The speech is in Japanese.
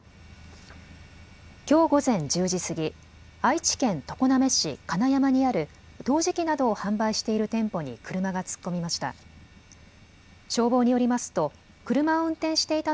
きょう午前１０時過ぎ、愛知県常滑市金山にある陶磁器などを販売している店舗に車が突っ込みました。